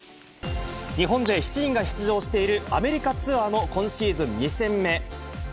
バーディーラッシュで首位タ日本勢７人が出場している、アメリカツアーの今シーズン２戦目。